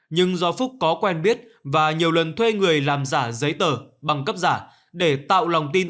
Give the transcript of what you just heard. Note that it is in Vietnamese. nhưng do phúc có quen biết và nhiều lần thuê người làm giả giấy tờ bằng cấp giả để tạo lòng tin